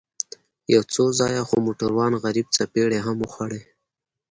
يو څو ځايه خو موټروان غريب څپېړې هم وخوړې.